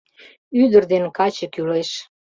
Ӱдыр ден каче кӱлеш.